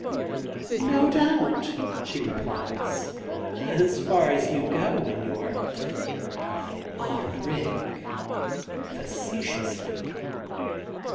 "No doubt," she replies, "as far as you go in your odd rig," facetiously.